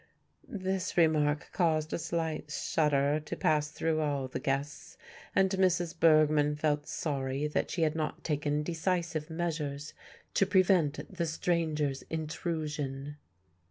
This remark caused a slight shudder to pass through all the guests, and Mrs. Bergmann felt sorry that she had not taken decisive measures to prevent the stranger's intrusion.